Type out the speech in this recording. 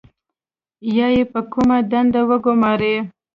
یا یې په کومه دنده وګمارئ.